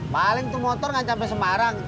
paling tuh motor nggak sampai semarang